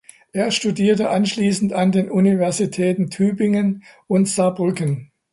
Er studierte anschließend an den Universitäten Tübingen und Saarbrücken.